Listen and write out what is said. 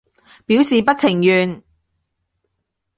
表示不情願